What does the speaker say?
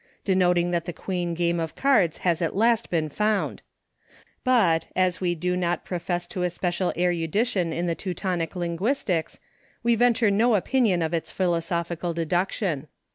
denoting that the Queen game of cards has at last been found ! But, as we do not pro fess to especial erudition in the Teutonic lin guistics, we venture no opinion of its philo logical deduction.